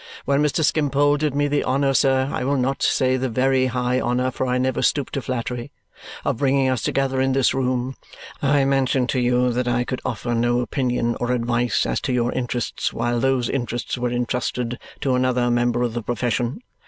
When Mr. Skimpole did me the honour, sir I will not say the very high honour, for I never stoop to flattery of bringing us together in this room, I mentioned to you that I could offer no opinion or advice as to your interests while those interests were entrusted to another member of the profession.